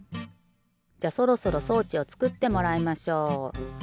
じゃそろそろ装置をつくってもらいましょう。